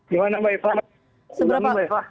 gimana mbak ifah